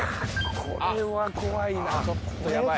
これは怖いな、ちょっとやばい。